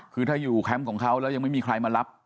คือถ้าอยู่แคมป์ของเขาแล้วยังไม่มีใครมารับ